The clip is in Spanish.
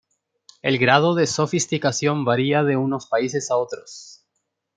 El grado de sofisticación varía de unos países a otros.